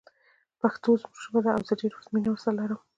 پښتو زموږ ژبه ده او زه ډیره مینه ورسره لرم